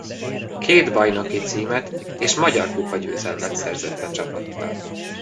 Két bajnoki címet és magyar kupa győzelmet szerzett a csapattal.